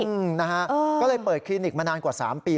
อืมนะฮะก็เลยเปิดคลินิกมานานกว่า๓ปี